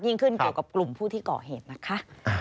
ยิ่งขึ้นเกี่ยวกับกลุ่มผู้ที่ก่อเหตุนะคะ